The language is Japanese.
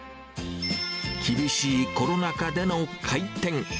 厳しいコロナ禍での開店。